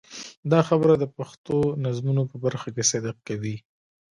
دا خبره د پښتو نظمونو په برخه کې صدق کوي.